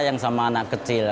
sayang sama anak kecil